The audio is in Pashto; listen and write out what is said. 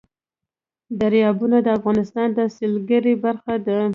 دریابونه د افغانستان د سیلګرۍ برخه ده.